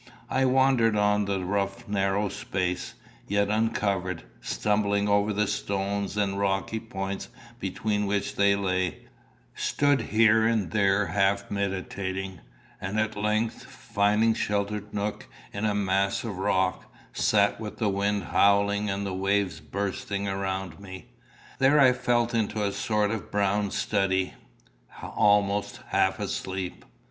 I wandered on the rough narrow space yet uncovered, stumbling over the stones and the rocky points between which they lay, stood here and there half meditating, and at length, finding a sheltered nook in a mass of rock, sat with the wind howling and the waves bursting around me. There I fell into a sort of brown study almost a half sleep.